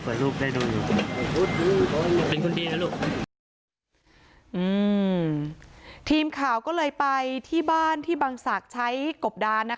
สวยลูกได้ดูอยู่เป็นคนดีนะลูกอืมทีมข่าวก็เลยไปที่บ้านที่บางศักดิ์ใช้กบดานนะคะ